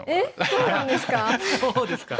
そうなんですか？